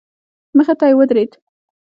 مخې ته يې ودرېد.